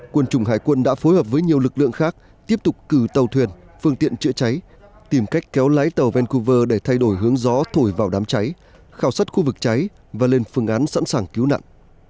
quân chủng hải quân đã phối hợp với nhiều lực lượng khác tiếp tục cử tàu thuyền phương tiện chữa cháy tìm cách kéo lái tàu vancouver để thay đổi hướng gió thổi vào đám cháy khảo sát khu vực cháy và lên phương án sẵn sàng cứu nạn